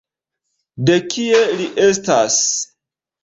De kie li estas?